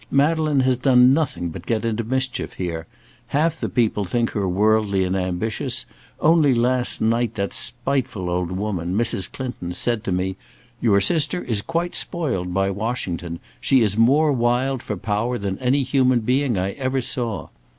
Madeleine has done nothing but get into mischief here. Half the people think her worldly and ambitious. Only last night that spiteful old woman, Mrs. Clinton, said to me: 'Your sister is quite spoiled by Washington. She is more wild for power than any human being I ever saw.'